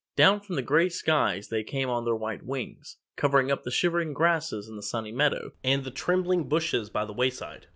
Down from the gray skies they came on their white wings, covering up the shivering grasses in the Sunny Meadow and the trembling bushes by the wayside.